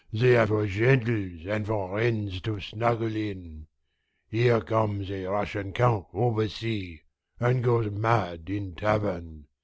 They are for gentles and for wrens to snuggle in. Here comes a Russian count oversea, and goes mad in tavern.